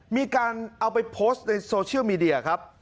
มีการเอาไปโพสต์ในโซเชียลมีเดียครับ